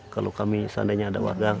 kalau kami seandainya ada warga